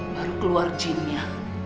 baru keluar jinnya